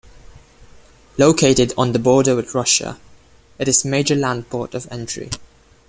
Located on the border with Russia, it is major land port of entry.